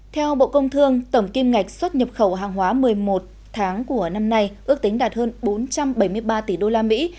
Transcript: theo bộ công thương tổng kim ngạch xuất nhập khẩu hàng hóa một mươi một tháng của năm nay ước tính đạt hơn bốn trăm bảy mươi ba tỷ đô la mỹ